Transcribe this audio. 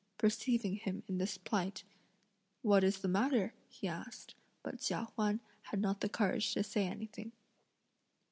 Perceiving him in this plight, "What is the matter?" he asked; but Chia Huan had not the courage to say anything.